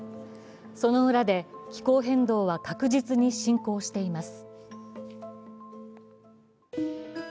その裏で、気候変動は確実に進行しています。